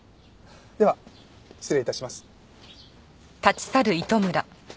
では失礼致します。